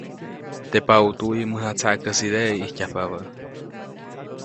Teʼ paʼutuwi mäjatsaʼkotsäjkäsideʼe ʼijtyajpabä.